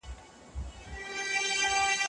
سود حرام دی.